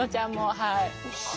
はい。